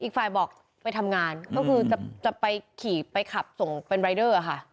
อีกฝ่ายบอกไปทำงานก็คือจะไปขี่ไปขับส่งเป็นรายเดอร์ค่ะ